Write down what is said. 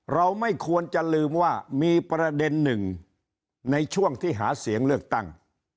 เราไม่ควรจะลืมว่ามีประเด็นหนึ่งในช่วงที่หาเสียงเลือกตั้ง